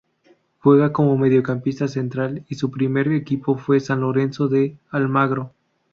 Juega como mediocampista central y su primer equipo fue San Lorenzo de Almagro.